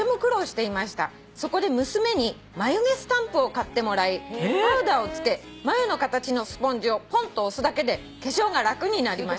「そこで娘に眉毛スタンプを買ってもらいパウダーを付け眉の形のスポンジをポンッと押すだけで化粧が楽になりました」